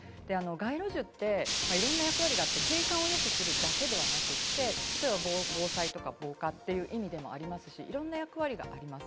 街路樹っていろんな役割があって、景観をよくするだけではなくって、例えば防災とか防火という意味でもありますし、いろんな役割があります。